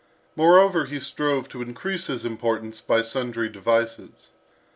Moreover, he strove to increase his importance by sundry devices.